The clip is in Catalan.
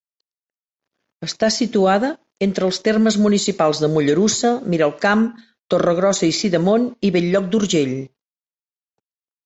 Està situada entre els termes municipals de Mollerussa, Miralcamp, Torregrossa i Sidamon i Bell-lloc d'Urgell.